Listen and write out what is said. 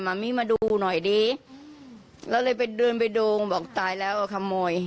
หม่ามิมาดูหน่อยดิเราเลยไปเดินไปดูบอกตายแล้วขโมย